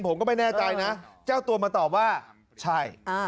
ผมก็ไม่แน่ใจนะเจ้าตัวมาตอบว่าใช่